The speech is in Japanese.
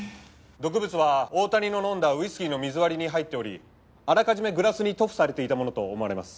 毒物は大谷の飲んだウイスキーの水割りに入っておりあらかじめグラスに塗布されていたものと思われます。